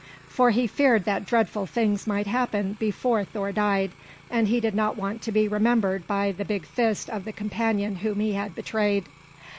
For he feared that dreadful things might happen before Thor died; and he did not want to be remembered by the big fist of the companion whom he had betrayed.